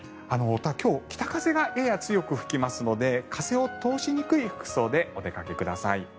今日は北風がやや強く吹きますので風を通しにくい服装でお出かけください。